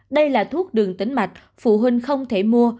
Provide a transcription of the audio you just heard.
đây là thuốc đường tính mạch phụ huynh không thể mua